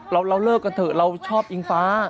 เราเลิกกันเถอะเราชอบอิงฟ้า